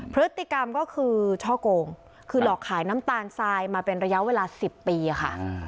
พฤติกรรมก็คือช่อโกงคือหลอกขายน้ำตาลทรายมาเป็นระยะเวลา๑๐ปีค่ะ